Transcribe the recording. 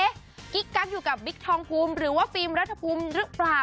เอ๊ะกิ๊กกั๊บอยู่กับวิกทองกุมหรือว่าฟิล์มรัฐกุมหรือเปล่า